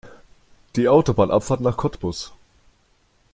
Die Autobahnabfahrt nach Cottbus